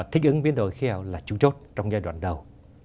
thích ứng biến đổi khí hậu là chú trốt trong giai đoạn đầu